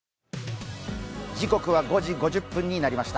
時刻は５時５０分になりました。